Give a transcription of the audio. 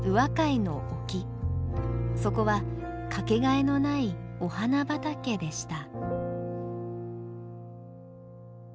そこはかけがえのない「お花畑」でした。